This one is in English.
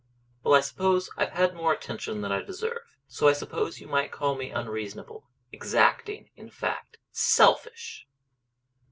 "Well, I suppose I've had more attention than I deserve. So I suppose you might call me unreasonable exacting in fact, selfish!"